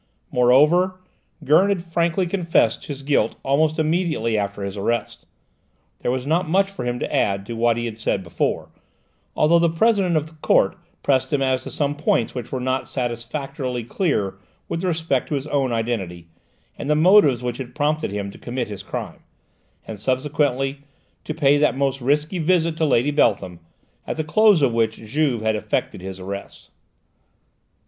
Moreover, Gurn had frankly confessed his guilt almost immediately after his arrest. There was not much for him to add to what he had said before, although the President of the Court pressed him as to some points which were still not satisfactorily clear with respect to his own identity, and the motives which had prompted him to commit his crime, and, subsequently, to pay that most risky visit to Lady Beltham, at the close of which Juve had effected his arrest.